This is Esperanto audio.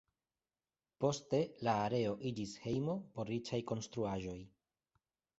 Poste la areo iĝis hejmo por riĉaj konstruaĵoj.